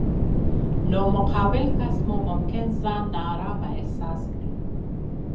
نو مقابل کس مو ممکن ځان نا ارامه احساس کړي.